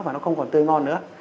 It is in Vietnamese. và nó không còn tươi ngon nữa